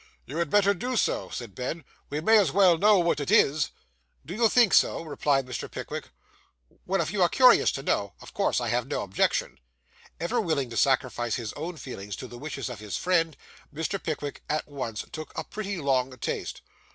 'You had better do so,' said Ben; 'we may as well know what it is.' 'Do you think so?' replied Mr. Pickwick. 'Well; if you are curious to know, of course I have no objection.' Ever willing to sacrifice his own feelings to the wishes of his friend, Mr. Pickwick at once took a pretty long taste.